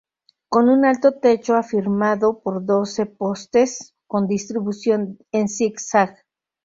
Con un alto techo afirmado por doce postes con distribución en zigzag.